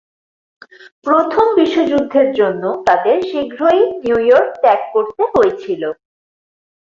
প্রথম বিশ্বযুদ্ধের জন্য তাঁদের শীঘ্রই নিউ ইয়র্ক ত্যাগ করতে হয়েছিল।